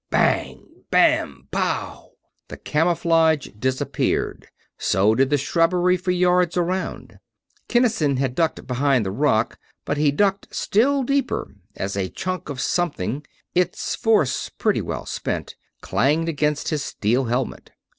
Bang! Bam! Pow! The camouflage disappeared; so did the shrubbery for yards around. Kinnison had ducked behind the rock, but he ducked still deeper as a chunk of something, its force pretty well spent, clanged against his steel helmet.